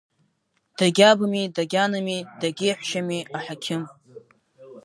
Дагьабыми, дагьаными, дагьеҳәшьами аҳақьым.